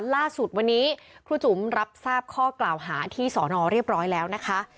ล่าสุดวันนี้ครูจุ๋มรับทราบข้อกล่าวหาที่สอนอเรียบร้อยแล้วนะคะ